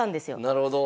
なるほど。